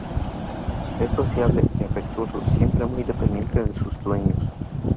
Es sociable y afectuoso, siempre muy dependiente de sus dueños.